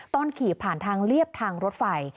ตอนขี่ผ่านทางเรียบทางรถไฟ